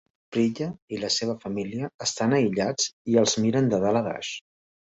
Priya i la seva família estan aïllats i els miren de dalt a baix.